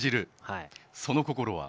その心は？